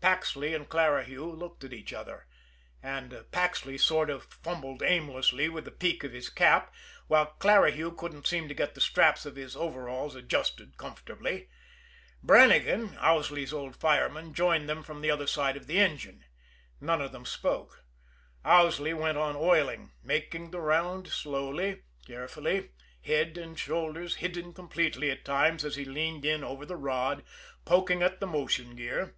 Paxley and Clarihue looked at each other. And Paxley sort of fumbled aimlessly with the peak of his cap, while Clarihue couldn't seem to get the straps of his overalls adjusted comfortably. Brannigan, Owsley's old fireman, joined them from the other side of the engine. None of them spoke. Owsley went on oiling making the round slowly, carefully, head and shoulders hidden completely at times as he leaned in over the rod, poking at the motion gear.